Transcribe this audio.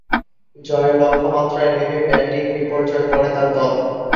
জয়ের লক্ষ্যমাত্রায় নেমে ব্যাটিং বিপর্যয়ে পড়ে তার দল।